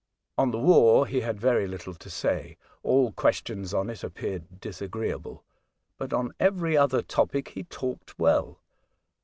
On the war he had very little to say, all questions on it appeared disagreeable ; but on every other topic he talked well.